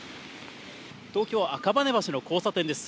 東京・赤羽橋の交差点です。